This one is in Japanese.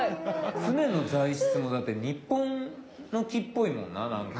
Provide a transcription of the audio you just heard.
舟の材質もだって日本の木っぽいもんななんか。